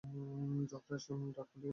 Josh, রাগ করলি নাতো?